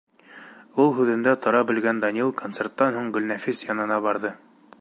Үҙ һүҙендә тора белгән Данил концерттан һуң Гөлнәфис янына барҙы.